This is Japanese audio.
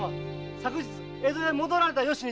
昨日江戸へ戻られた由にて。